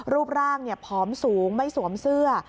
รูปร่างผอมสูงไม่สวมเสื้อ